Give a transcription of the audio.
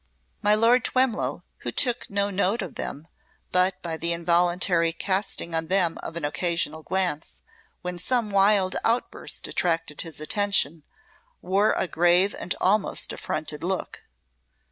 My Lord Twemlow, who took no note of them, but by the involuntary casting on them of an occasional glance, when some wild outburst attracted his attention, wore a grave and almost affronted look.